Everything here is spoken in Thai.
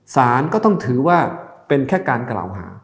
สารก็ต้องถือว่าเป็นแค่การกล่าวหา